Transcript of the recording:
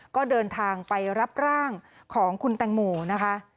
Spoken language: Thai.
ก็เดินทางไปรับร่างของคุณแตงโมนะคะ